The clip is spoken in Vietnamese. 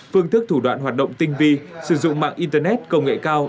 phương thức thủ đoạn hoạt động tinh vi sử dụng mạng internet công nghệ cao